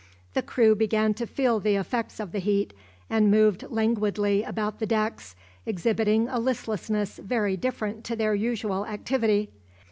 The crew began to feel the effects of the heat, and moved languidly about the decks, exhibiting a listlessness very different to their usual activity.